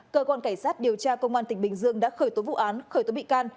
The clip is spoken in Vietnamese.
cơ quan cảnh sát điều tra công an tỉnh bình dương đã khởi tố vụ án khởi tố bị can